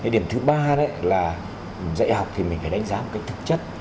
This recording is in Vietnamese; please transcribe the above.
điểm thứ ba là dạy học thì mình phải đánh giá một cách thực chất